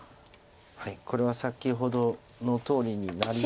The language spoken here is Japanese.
これは先ほどのとおりになりそうです。